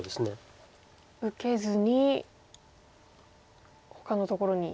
受けずにほかのところに。